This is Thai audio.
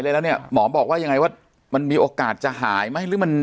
แล้วเนี่ยหมอบอกว่ายังไงว่ามันมีโอกาสจะหายไหมหรือมัน